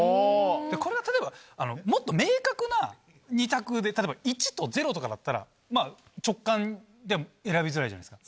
これは例えばもっと明確な二択で例えば「１」と「０」とかだったら直感で選びづらいじゃないですか。